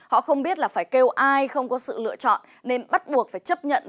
họ không biết là phải kêu ai không có sự lựa chọn nên bắt buộc phải chấp nhận